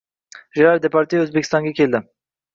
Jerar Depardye O'zbekistonga keldi